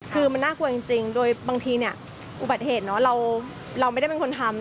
คือมันน่ากลัวจริงโดยบางทีเนี่ยอุบัติเหตุเราไม่ได้เป็นคนทำ